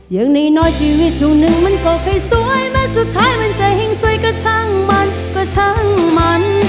อย่างน้อยชีวิตช่วงหนึ่งมันก็ค่อยสวยแม้สุดท้ายมันจะแห่งสวยก็ช่างมันก็ช่างมัน